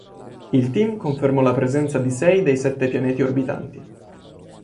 Il team confermò la presenza di sei dei sette pianeti orbitanti.